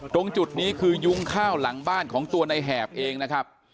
ตรงจุดนี้คือยุ้งข้าวหลังบ้านของตัวในแหบเองนะครับ